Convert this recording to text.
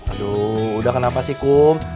aduh udah kenapa sih kum